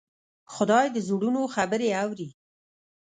خدای د زړونو خبرې اوري.